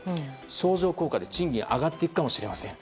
相乗効果で賃金が上がっていくかもしれません。